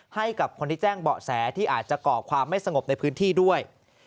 ให้กับคนที่แจ้งเบาะแสที่อาจจะก่อความไม่สงบในพื้นที่ด้วย